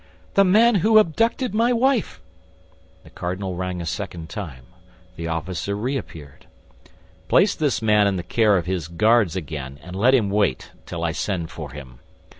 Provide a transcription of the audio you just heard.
"The man who abducted my wife." The cardinal rang a second time. The officer reappeared. "Place this man in the care of his guards again, and let him wait till I send for him."